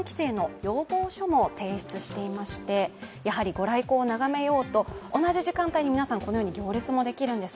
ご来光を眺めようと、同じ時間帯に皆さん、行列もできるんです。